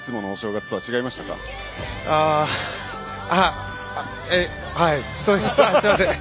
すみません。